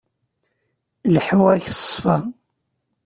Leḥḥuɣ-ak s ṣṣfa.